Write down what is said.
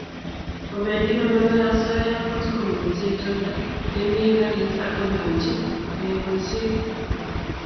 Kobendi konamei asoya angot komamitei itonda ne mie gariit ak koyanchi koyai boisyet.